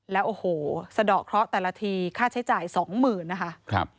แล้วโอ้โหสะดอกเคราะห์แต่ละทีค่าใช้จ่ายสองหมื่นนะคะ